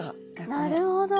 なるほど！